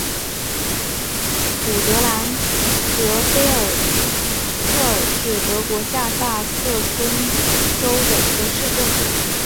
古德兰德菲尔特尔是德国下萨克森州的一个市镇。